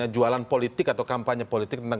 jualan politik atau kampanye politik tentang